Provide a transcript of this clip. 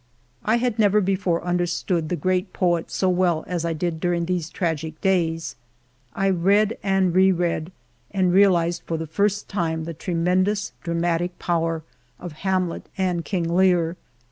I had never before understood the great poet so well as I did during these tragic days : I read and re read, and realized for the first time the tremendous dramatic power of " Hamlet " and " King Lear."